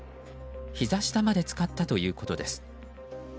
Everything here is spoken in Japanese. ひざ下まで浸かったということです。